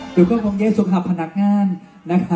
เดี๋ยวก็คงเยี่ยมสุขภาพนักงานนะครับ